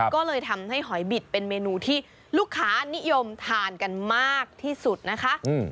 ก็เลยทำให้หอยบิดเป็นเมนูที่ลูกค้านิยมทานกันมากที่สุดนะคะ